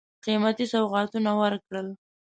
قېمتي سوغاتونه ورکړل.